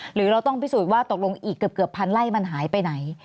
หรือเราต้องพิสูจน์ว่าตกลงอีกเกือบพันไล่มันหายไปไหน